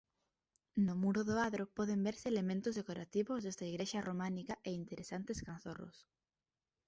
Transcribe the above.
No muro do adro poden verse elementos decorativos desta igrexa románica e interesantes canzorros.